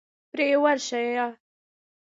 پرې ورشئ.